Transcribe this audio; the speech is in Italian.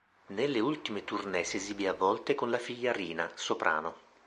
Nelle ultime tournée si esibì a volte con la figlia Rina, soprano.